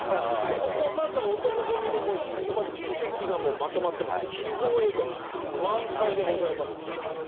まずは男闘呼組のここまでの軌跡がまとまってますんで秘蔵映像満載でございます。